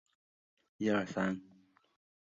以此类推。